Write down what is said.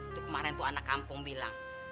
itu kemarin tuh anak kampung bilang